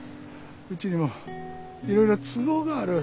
うちにもいろいろ都合がある。